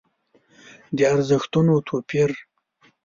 د ارزښتونو توپير.